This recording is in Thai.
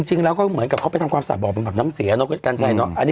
จริงแล้วก็เหมือนกับเขาไปทำความสะบ่อเป็นแบบน้ำเสียเนาะกัญชัยเนาะ